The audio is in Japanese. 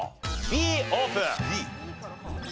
Ｂオープン。